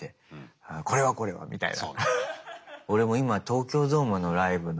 「これはこれは」みたいな。